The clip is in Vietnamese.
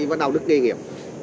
và đạo đức nghề nghiệp